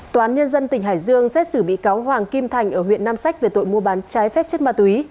tòa án nhân dân tỉnh hải dương xét xử bị cáo hoàng kim thành ở huyện nam sách về tội mua bán trái phép chất ma túy